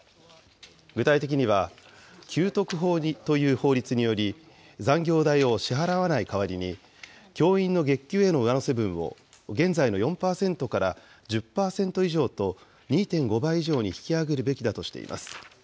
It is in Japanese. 具体的には、給特法という法律により、残業代を支払わない代わりに、教員の月給への上乗せ分を、現在の４％から１０％以上と、２．５倍以上に引き上げるべきだとしています。